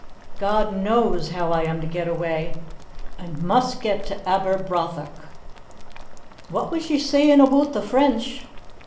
God knows how I am to get away! I must get to Aberbrothock." "What was ye sayin' aboot the French?"